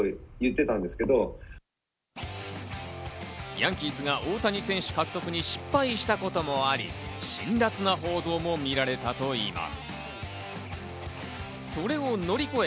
ヤンキースが大谷選手獲得に失敗したこともあり、辛辣な報道も見られたといいます。